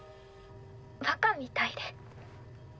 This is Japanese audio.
バカみたいで。